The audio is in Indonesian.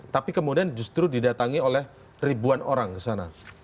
tapi kemudian justru didatangi oleh ribuan orang kesana